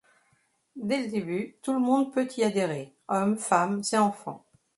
Dès le début, tout le monde peut y adhérer hommes, femmes et enfants.